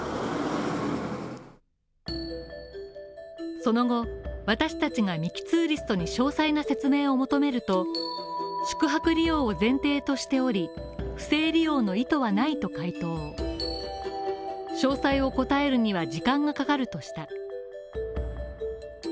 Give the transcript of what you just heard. その後、私達がミキ・ツーリストに詳細な説明を求めると宿泊利用を前提としており、不正利用の意図はないと回答詳細を答えるには時間がかかるとした。